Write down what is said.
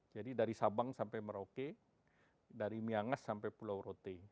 jadi dari sabang sampai merauke dari miangas sampai pulau rote